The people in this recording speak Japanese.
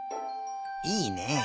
いいね。